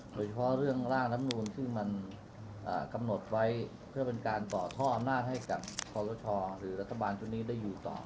โดยเฉพาะเรื่องร่างรับนูนที่มันกำหนดไว้เพื่อเป็นการต่อท่ออำนาจให้กับคอสชหรือรัฐบาลชุดนี้ได้อยู่ต่อ